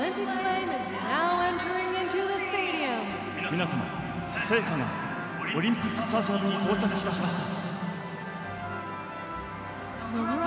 皆様、聖火がオリンピックスタジアムに到着いたしました。